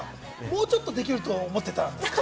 もうちょっとできると思ってたんですか？